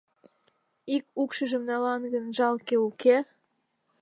Ик укшыжым налам гын, жалке, уке?